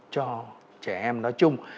cho trẻ em nói chung